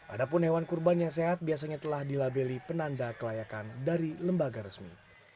adapun hewan kurban yang sehat biasanya telah dilabeli penanda kelayakan dari lembaga resmi